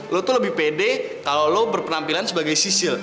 lo tuh lebih pede kalau lo berpenampilan sebagai sisil